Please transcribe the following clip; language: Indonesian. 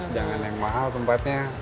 jangan yang mahal tempatnya